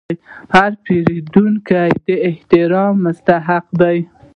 هر پیرودونکی د احترام مستحق دی.